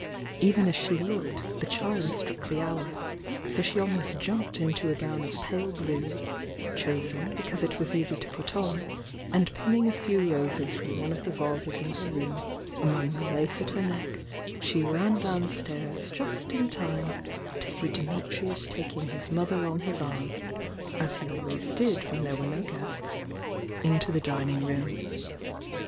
Fven as she looked, the chime struck the hour, — so sne almost jumped into a gown of pale blue, chosen because it was easy to put on, and pinning a few roses from one of the vases in her room among the lace at her neck, she ran downstairs just in time to see Dimitrius taking his mother on his arm, as he always did when there were no guests, into the dining room.